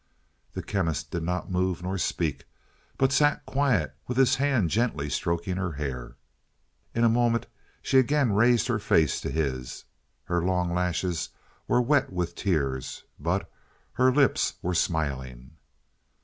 The Chemist did not move nor speak, but sat quiet with his hand gently stroking her hair. In a moment she again raised her face to his. Her long lashes were wet with tears, but her lips were smiling.